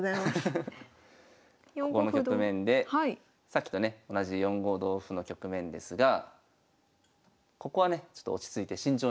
さっきとね同じ４五同歩の局面ですがここはねちょっと落ち着いて慎重に。